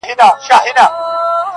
خو اصلي درد نه ختمېږي تل,